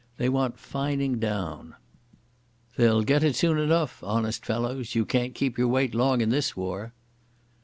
They want fining down." "They'll get it soon enough, honest fellows. You don't keep your weight long in this war."